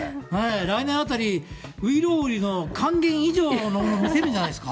来年あたり、外郎売の勸玄以上のものを見せるんじゃないですか。